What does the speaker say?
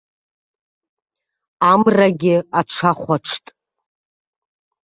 Амрагьы аҽахәаҽт.